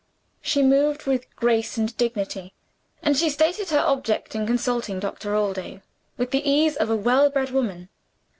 She moved with grace and dignity; and she stated her object in consulting Doctor Allday with the ease of a well bred woman.